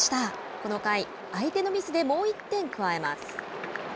この回、相手のミスでもう１点加えます。